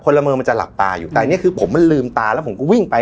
ละเมิงมันจะหลับตาอยู่แต่อันนี้คือผมมันลืมตาแล้วผมก็วิ่งไป